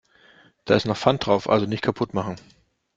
Da ist noch Pfand drauf, also nicht kaputt machen.